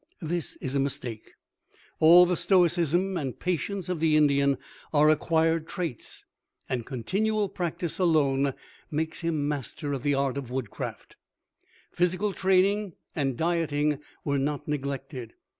This is a mistake. All the stoicism and patience of the Indian are acquired traits, and continual practice alone makes him master of the art of wood craft. Physical training and dieting were not neglected.